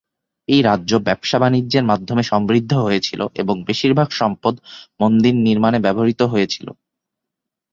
এই রাজ্য ব্যবসা-বাণিজ্যের মাধ্যমে সমৃদ্ধ হয়েছিল এবং বেশিরভাগ সম্পদ মন্দির নির্মাণে ব্যবহৃত হয়েছিল।